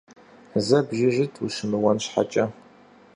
Зэ бжыжыт ущымыуэн щхьэкӀэ.